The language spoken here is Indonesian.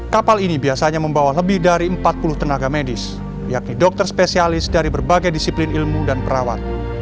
kapal ini biasanya membawa lebih dari empat puluh tenaga medis yakni dokter spesialis dari berbagai disiplin ilmu dan perawat